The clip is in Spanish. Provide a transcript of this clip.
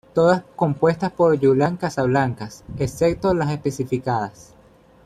Todas compuestas por Julian Casablancas, excepto las especificadas.